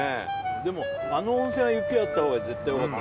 でもあの温泉は雪あった方が絶対よかった